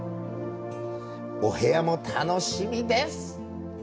お部屋も楽しみです！